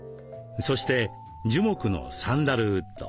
そして樹木のサンダルウッド。